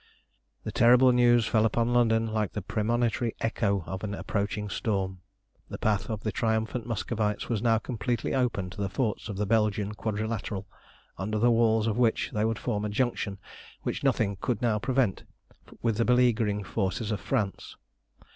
The terrible news fell upon London like the premonitory echo of an approaching storm. The path of the triumphant Muscovites was now completely open to the forts of the Belgian Quadrilateral, under the walls of which they would form a junction, which nothing could now prevent, with the beleaguering forces of France.